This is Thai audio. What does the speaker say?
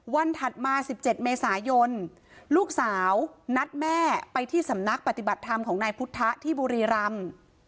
ถัดมา๑๗เมษายนลูกสาวนัดแม่ไปที่สำนักปฏิบัติธรรมของนายพุทธะที่บุรีรำ